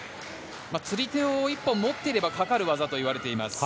釣り手を１本持っていればかかる技といわれています。